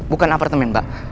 bukan apartemen mbak